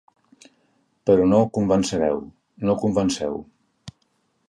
Però no convencereu; no convenceu.